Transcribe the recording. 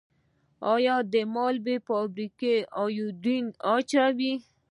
آیا د مالګې فابریکې ایوډین اچوي؟